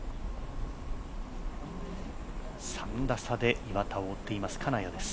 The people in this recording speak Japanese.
３打差で岩田を追っている、金谷です。